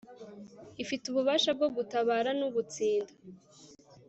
ifite ububasha bwo gutabara n ubutsinda